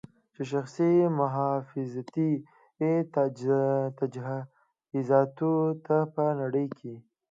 چې شخصي محافظتي تجهیزاتو ته په نړۍ کې